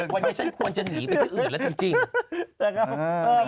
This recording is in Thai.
วันนี้ฉันควรจะหยิงไปด้วยอื่นแหละจริง